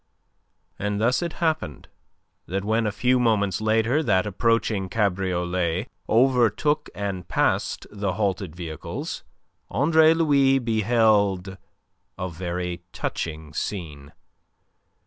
And thus it happened that when a few moments later that approaching cabriolet overtook and passed the halted vehicles, Andre Louis beheld a very touching scene.